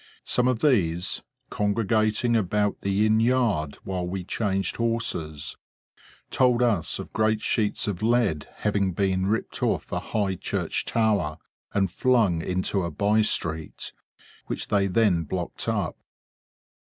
Some of these, congregating about the inn yard while we changed horses, told us of great sheets of lead having been ripped off a high church tower, and flung into a by street, which they then blocked up.